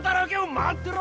待ってろ！